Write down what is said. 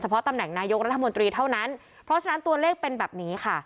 เพราะตำแหน่งนายกรัฐมนตรีเท่านั้นเพราะฉะนั้นตัวเลขเป็นแบบนี้ค่ะ